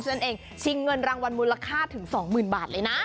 นั่นเองชิงเงินรางวัลมูลค่าถึง๒๐๐๐บาทเลยนะ